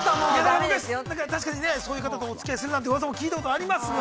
確かにね、そういう方とおつき合いするなんてうわさも聞いたことありますが。